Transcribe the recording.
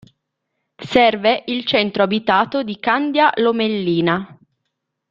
Serve il centro abitato di Candia Lomellina.